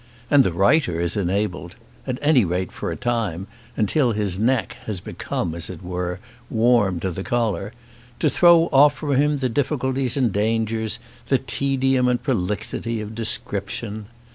And the writer is enabled, at any rate for a time, and till his neck has become, as it were, warm to the collar, to throw off from him the difficulties and dangers, the tedium and prolixity, of description.